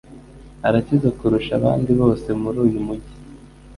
Arakize kurusha abandi bose muri uyu mujyi.